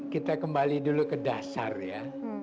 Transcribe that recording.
kita kembali dulu ke dasar ya